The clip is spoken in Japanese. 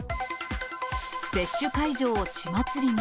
接種会場を血祭りに。